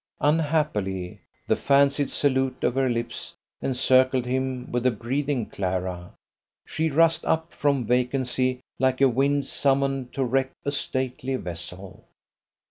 Unhappily, the fancied salute of her lips encircled him with the breathing Clara. She rushed up from vacancy like a wind summoned to wreck a stately vessel.